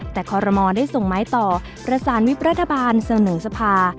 แต่คอรมอลได้ส่งไม้ต่อประสานวิบรัฐบาลเสนอสภา